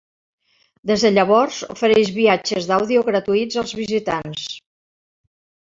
Des de llavors, ofereix viatges d'àudio gratuïts als visitants.